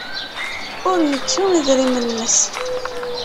Ur yettu idrimen-nnes.